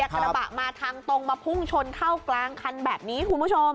กระบะมาทางตรงมาพุ่งชนเข้ากลางคันแบบนี้คุณผู้ชม